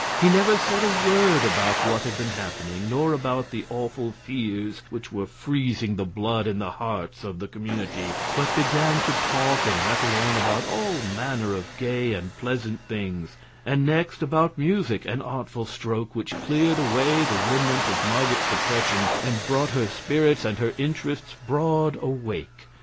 He never said a word about what had been happening, nor about the awful fears which were freezing the blood in the hearts of the community, but began to talk and rattle on about all manner of gay and pleasant things; and next about music an artful stroke which cleared away the remnant of Marget's depression and brought her spirits and her interests broad awake.